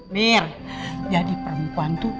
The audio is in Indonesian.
mir jadi perempuan tuh